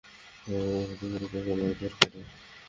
আমার বউ বাঁচাতে গেলে তাকেও মারধর করে।